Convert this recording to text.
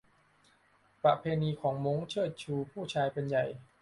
ประเพณีของม้ง เชิดชูผู้ชายเป็นใหญ่